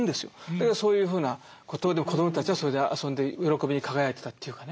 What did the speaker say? だけどそういうふうなことで子どもたちはそれで遊んで喜びに輝いてたというかね。